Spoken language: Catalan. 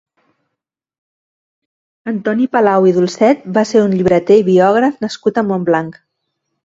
Antoni Palau i Dulcet va ser un llibreter i biògraf nascut a Montblanc.